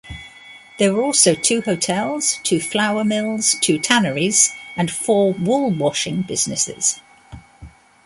There were also two hotels, two flour mills, two tanneries and four wool-washing businesses.